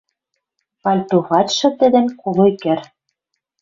Пальто пачшы тӹдӹн колой кӹр.